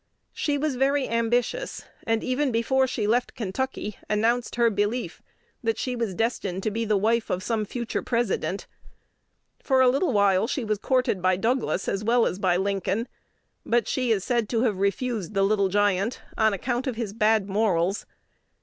She was very ambitious, and even before she left Kentucky announced her belief that she was "destined to be the wife of some future President." For a little while she was courted by Douglas as well as by Lincoln; but she is said to have refused the "Little Giant," "on account of his bad morals."